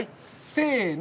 せの。